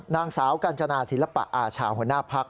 นางสาวกัญจนาศิลปะอาชาหัวหน้าพัก